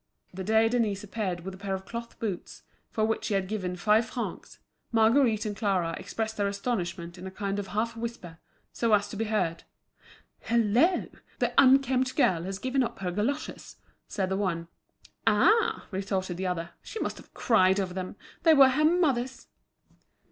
The day Denise appeared with a pair of cloth boots, for which she had given five francs, Marguerite and Clara expressed their astonishment in a kind of half whisper, so as to be heard. "Hullo! the 'unkempt girl' has given up her goloshes," said the one. "Ah," retorted the other, "she must have cried over them. They were her mother's."